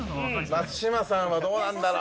松島さんはどうなんだろう